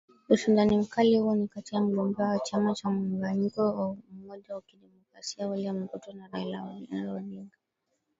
Ushindani mkali huo ni kati ya mgombea wa chama cha Muunganiko wa Umoja wa Kidemokrasia William Ruto na Raila Amollo Odinga